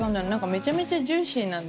めちゃめちゃジューシーなんですよね。